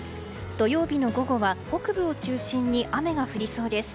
土曜日の午後は北部を中心に雨が降りそうです。